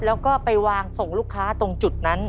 แล้วก็ไปวางส่งลูกค้าตรงจุดนั้น